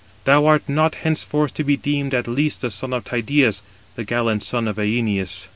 Thou art not henceforth to be deemed at least the son of Tydeus, the gallant son of Æneus."